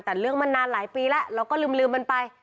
แต่เรื่องมันนานหลายปีแล้วเราก็ลืมมันไป